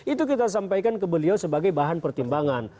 itu kita sampaikan ke beliau sebagai bahan pertimbangan